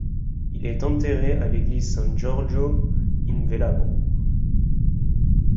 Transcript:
Il est enterré à l'église San Giorgio in Velabro.